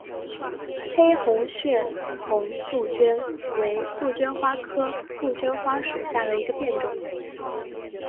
黑红血红杜鹃为杜鹃花科杜鹃花属下的一个变种。